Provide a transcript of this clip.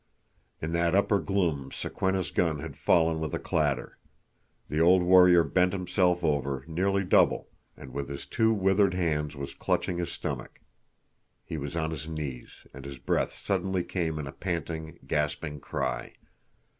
In that upper gloom Sokwenna's gun had fallen with a clatter. The old warrior bent himself over, nearly double, and with his two withered hands was clutching his stomach. He was on his knees, and his breath suddenly came in a panting, gasping cry.